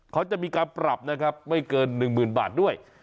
เขาจะมีการปรับนะครับไม่เกิน๑๐๐๐บาทด้วย